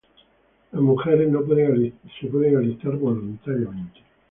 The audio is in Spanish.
Las mujeres se pueden alistar voluntariamente.